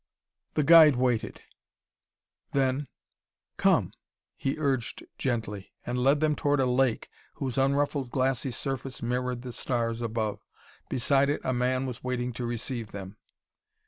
Their guide waited; then, "Come," he urged gently, and led them toward a lake whose unruffled glassy surface mirrored the stars above. Beside it a man was waiting to receive them.